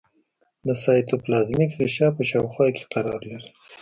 د سایتوپلازمیک غشا په شاوخوا کې قرار لري.